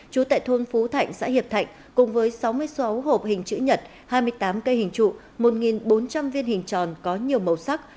trú tại thôn phú thạnh xã hiệp thạnh cùng với sáu mươi sáu hộp hình chữ nhật hai mươi tám cây hình trụ một bốn trăm linh viên hình tròn có nhiều màu sắc